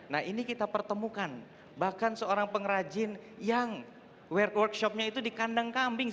nah ini kita pertemukan bahkan seorang pengrajin yang workshopnya itu di kandang kambing